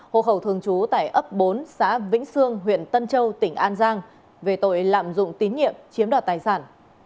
hộ khẩu thường trú tại ấp bốn xã vĩnh sương huyện tân châu tỉnh an giang về tội lạm dụng tín nhiệm chiếm đoạt tài sản